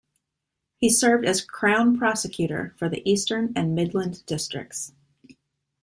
He served as crown prosecutor for the Eastern and Midland Districts.